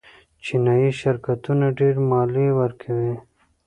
چینايي شرکتونه ډېرې مالیې ورکوي.